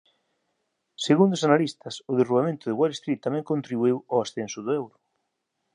Segundo os analistas, o derrubamento de Wall Street tamén contribuíu ó ascenso do euro.